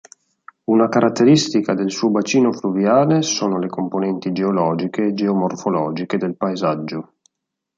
Una caratteristica del suo bacino fluviale sono le componenti geologiche e geomorfologiche del paesaggio.